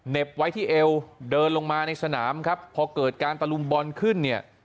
ไว้ที่เอวเดินลงมาในสนามครับพอเกิดการตะลุมบอลขึ้นเนี่ย